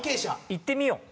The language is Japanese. いってみよう。